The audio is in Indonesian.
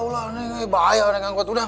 udah bahaya naik angkut